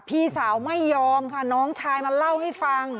พี่สาวไม่ยอมค่ะน้องชายมาเล่าให้ฟัง